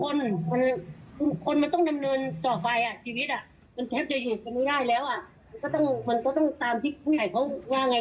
คนไงมันต้องดำเนินต่อไปอ่ะชีวิตอ่ะมันแทบจะหยุดไม่ได้แล้วแหละ